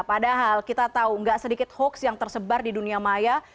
padahal kita tahu nggak sedikit hoax yang tersebar di dunia maya